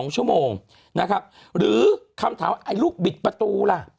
๒ชั่วโมงนะครับหรือคำถามไอ้ลูกบิดประตูล่ะ